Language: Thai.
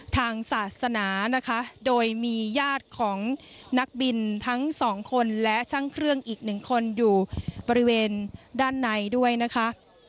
ทางศาสนานะคะโดยมีญาติของนักบินทั้งสองคนและช่างเครื่องอีกหนึ่งคนอยู่บริเวณด้านในด้วยนะคะ